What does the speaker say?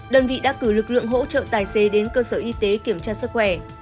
đơn vị đã cử lực lượng hỗ trợ tài xế đến cơ sở y tế kiểm tra sức khỏe